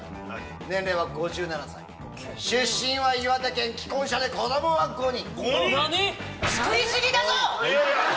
年齢は５７歳出身は岩手県既婚者で子供は５人。